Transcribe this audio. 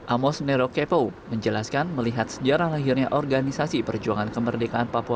amos nero kepo menjelaskan melihat sejarah lahirnya organisasi perjuangan kemerdekaan papua